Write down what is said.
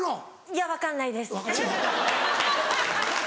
いや分かんないです。